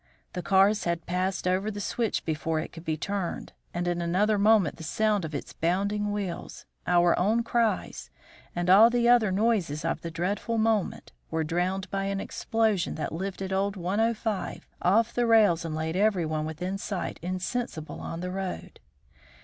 The cars had passed over the switch before it could be turned, and in another moment the sound of its bounding wheels, our own cries, and all the other noises of the dreadful moment, were drowned by an explosion that lifted old 105 off the rails and laid everyone within sight insensible on the road.